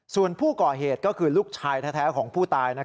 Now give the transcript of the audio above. ส่วนผู้ก่อเหตุก็คือลูกชายแท้ของผู้ตาย